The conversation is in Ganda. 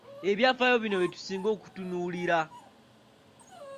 Ebyafaaayo bino bye tusinga okutunuulira.